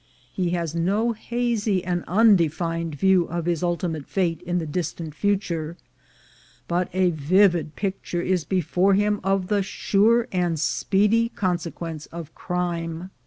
He has no hazy and un defined view of his ultimate fate in the distant future, but a vivid picture is before him of the sure and speedy consequence of crime.